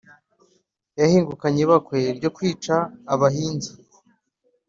yahingukanye ibakwe ryo kwica abahinza